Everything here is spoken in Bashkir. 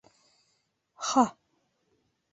Ха!..